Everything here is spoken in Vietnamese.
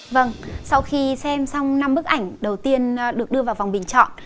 vâng sau khi xem xong năm bức ảnh đầu tiên được đưa vào vòng bình chọn